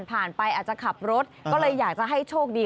ไปอาจจะขับรถก็เลยอยากจะให้โชคดี